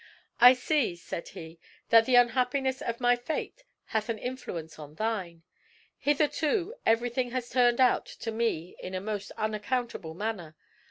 "I see," said he, "that the unhappiness of my fate hath an influence on thine. Hitherto everything has turned out to me in a most unaccountable manner.